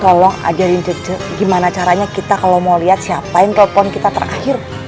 tolong aja di cek gimana caranya kita kalau mau lihat siapa yang telepon kita terakhir